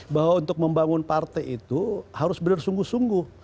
bahwa untuk membangun partai itu harus benar sungguh sungguh